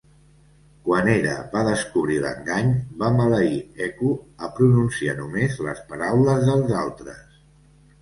Quan Hera va descobrir l'engany, va maleir Eco a pronunciar només les paraules dels altres.